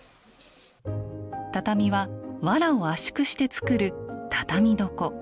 畳は藁を圧縮して作る「畳床」